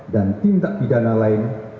dan tindak pidana lain